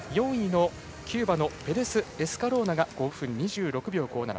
キューバのペレスエスカローナが５分２６秒５７。